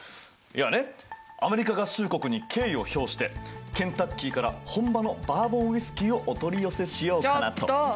いやねアメリカ合衆国に敬意を表してケンタッキーから本場のバーボンウイスキーをお取り寄せしようかなと。